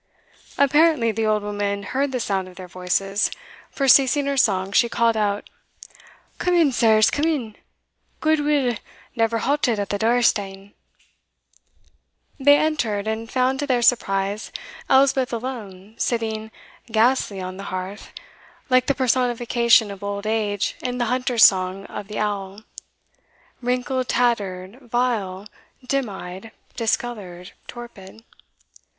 Apparently the old woman heard the sound of their voices; for, ceasing her song, she called out, "Come in, sirs, come in good will never halted at the door stane." They entered, and found to their surprise Elspeth alone, sitting "ghastly on the hearth," like the personification of Old Age in the Hunter's song of the Owl,* "wrinkled, tattered, vile, dim eyed, discoloured, torpid."